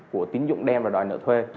của tín dụng đem và đòi nợ thuê